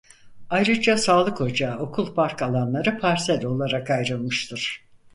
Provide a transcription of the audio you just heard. Ayrıca sağlık ocağı okul park alanları parsel olarak ayrılmıştır.